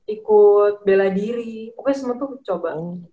ikut bela diri pokoknya semua tuh coba